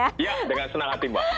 iya dengan senang hati mbak